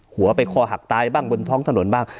หัวไปคอหักตายบ้างบนท้องถนนบ้าง